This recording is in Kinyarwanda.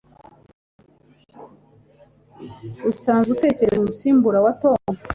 Usanzwe utekereza umusimbura wa Tom?